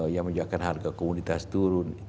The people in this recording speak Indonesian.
yang menyebabkan harga komoditas turun